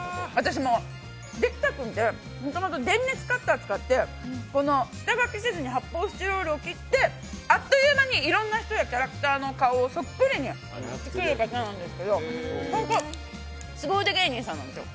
できたくんって電熱カッターを使って下書きせずに発泡スチロールを切ってあっという間にいろんな人やキャラクターの顔をそっくりに作る人なんですけどすご腕芸人さんなんですよ。